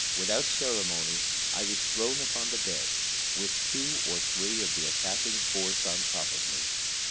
Without ceremony I was thrown upon the bed, with two or three of the attacking force on top of me.